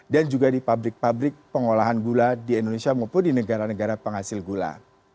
dan juga di pabrik pabrik pengolahan gula di indonesia maupun di negara negara penghasil gula